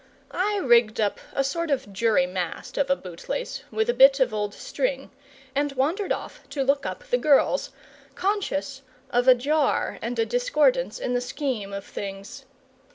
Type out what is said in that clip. I rigged up a sort of jurymast of a bootlace with a bit of old string, and wandered off to look up the girls, conscious of a jar and a discordance in the scheme of things.